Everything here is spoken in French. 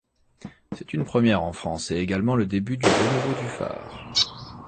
C’est une première en France, et également le début du renouveau du phare.